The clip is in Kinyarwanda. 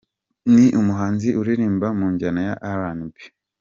Ni umuhanzi uririmba mu njyana ya RnB.